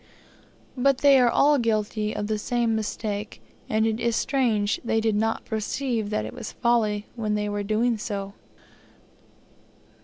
But they are all guilty of the same mistake, and it is strange they did not perceive that it was folly when they were doing so.